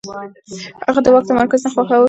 هغه د واک تمرکز نه خوښاوه.